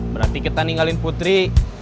berarti kita ninggalin putri